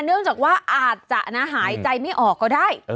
เนื่องจากว่าอาจจะหายใจไม่ออกก็ได้